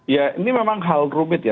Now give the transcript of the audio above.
ya ini memang hal rumit ya